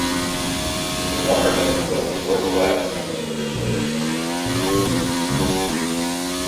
The water then flows northwest into the Pacific Ocean.